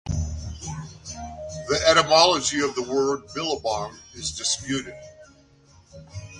The etymology of the word "billabong" is disputed.